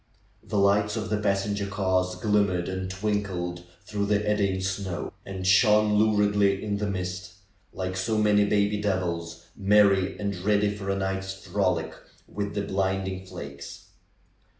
The lights of the passenger cars glimmered and twinkled through the eddying snow, and shone luridly in the mist, like so many baby devils, merry and ready for a night's frolic with the blinding flakes.